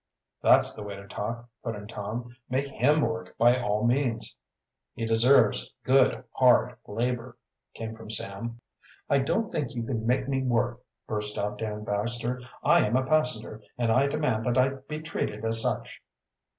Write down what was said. "That's the way to talk," put in Tom. "Make him work by all means." "He deserves good, hard labor," came from Sam. "I don't think you can make me work!" burst out Dan Baxter. "I am a passenger and I demand that I be treated as such."